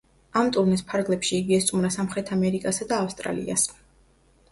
ამ ტურნეს ფარგლებში იგი ესტუმრა სამხრეთ ამერიკასა და ავსტრალიას.